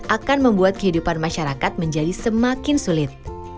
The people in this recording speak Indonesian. akan membuat kehidupan masyarakat menjadi semakin sulit